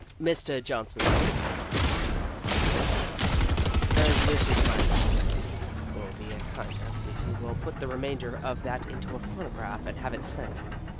"Mr. Johnson Sitdown," he said, wearily, "as this is my busy day, it will be a kindness if you will put the remainder of that into a phono graph and have it sent.